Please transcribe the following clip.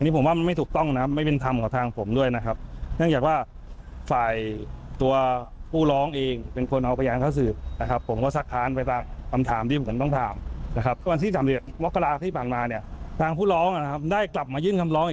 พี่น้าคดีต้องขัดจากข้อที่จริงอีก